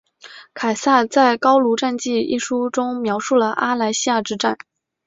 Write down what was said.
凯撒在高卢战记一书中描述了阿莱西亚之战。